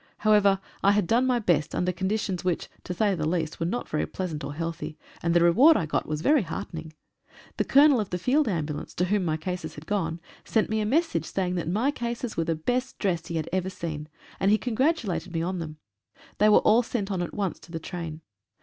However, I had done my best under conditions which, to say the least, were not very pleasant or healthy, and the reward I got was very heartening. The Colonel of the Field Ambulance, to whom my cases had gone, sent me a message saying that my cases were the best dressed he had ever seen, and he congratulated me on them. They were all sent on at once to the train.